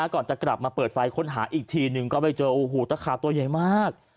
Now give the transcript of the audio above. ก่อนจะกลับมาเปิดไฟค้นหาอีกทีหนึ่งก็ไปเจอโอ้โหตะขาตัวใหญ่มาก